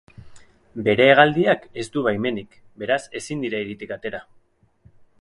Bere hegaldiak ez du baimenik, beraz ezin dira hiritik atera.